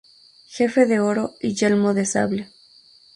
Jefe de oro, y yelmo de sable.